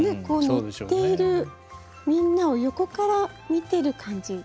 乗っているみんなを横から見てる感じ。